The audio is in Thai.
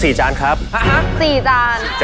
อีกครั้ง